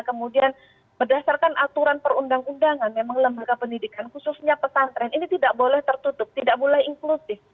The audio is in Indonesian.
kemudian berdasarkan aturan perundang undangan memang lembaga pendidikan khususnya pesantren ini tidak boleh tertutup tidak boleh inklusif